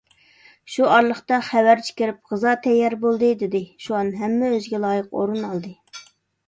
شۇ ئارىلىقتا خەۋەرچى كىرىپ: «غىزا تەييار بولدى» دېدى. شۇئان ھەممە ئۆزىگە لايىق ئورۇن ئالدى.